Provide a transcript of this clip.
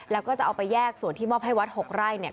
แล้วก็จะเอาไปแยกส่วนที่มอบให้วัด๖ไร่เนี่ย